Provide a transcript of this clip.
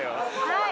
はい。